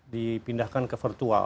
dipindahkan ke virtual